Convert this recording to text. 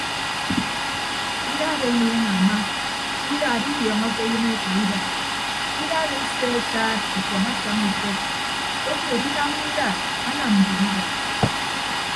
Idaat enieñe ama idaat idiọọñọke eyịn eka idaat idaat esee ataat ọfọñ asaña ifet obuut inamma idaat anam mbon idaat.